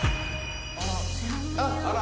あら！